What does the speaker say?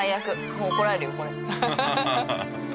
もう怒られるよこれ。